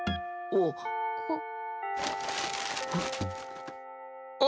あっああ